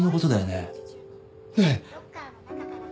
ねえ？